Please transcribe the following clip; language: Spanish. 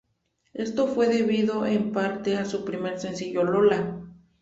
Esto fue debido, en parte, a su primer sencillo, "Lola".